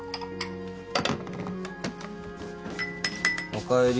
おかえり。